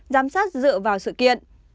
giám sát dựa vào sự kiện